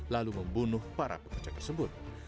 lalu membunuh para pekerja tersebut